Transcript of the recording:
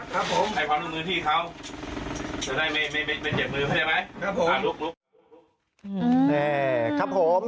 ครับผมให้ความร่วมมือพี่เขาเดี๋ยวได้ไม่ไม่ไม่เจ็บมือเขาได้ไหม